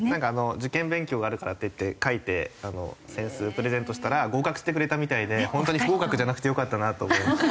受験勉強があるからといって書いて扇子プレゼントしたら合格してくれたみたいでホントに不合格じゃなくてよかったなと。